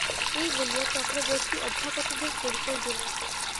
এই বলিয়া চক্রবর্তী অভ্যাগতদের পরিচয় দিলেন।